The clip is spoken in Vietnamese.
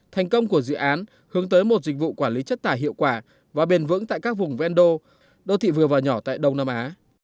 thành công của dự án hướng tới một dịch vụ quản lý chất tải hiệu quả và bền vững tại các vùng ven đô đô thị vừa và nhỏ tại đông nam á